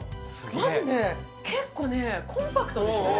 まずね結構ねコンパクトでしょ？